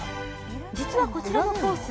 実はこちらのコース